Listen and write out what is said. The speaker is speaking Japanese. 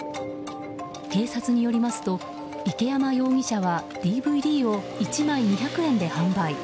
警察によりますと、池山容疑者はＤＶＤを１枚２００円で販売。